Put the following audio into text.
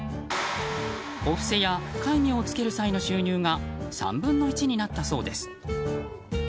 お布施や戒名をつける際の収入が３分の１になったそうです。